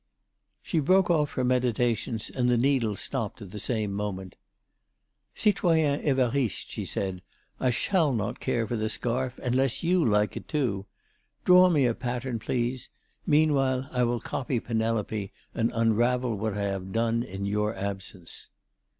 She broke off her meditations, and the needle stopped at the same moment. "Citoyen Évariste," she said, "I shall not care for the scarf, unless you like it too. Draw me a pattern, please. Meanwhile, I will copy Penelope and unravel what I have done in your absence."